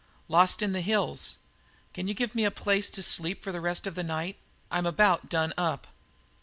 "Lost in the hills. Can you give me a place to sleep for the rest of the night? I'm about done up."